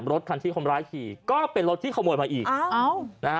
รถคันที่คนร้ายขี่ก็เป็นรถที่ขโมยมาอีกอ้าวนะฮะ